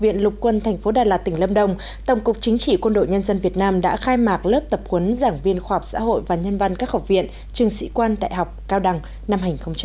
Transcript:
ngày năm tám tại học viện lục quân tp đà lạt tỉnh lâm đông tổng cục chính trị quân đội nhân dân việt nam đã khai mạc lớp tập huấn giảng viên khoa học xã hội và nhân văn các học viện trường sĩ quan đại học cao đăng năm hai nghìn một mươi chín